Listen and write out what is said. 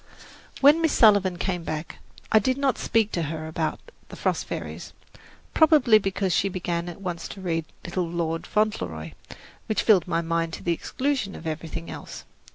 When Miss Sullivan came back, I did not speak to her about "The Frost Fairies," probably because she began at once to read "Little Lord Fauntleroy," which filled my mind to the exclusion of everything else.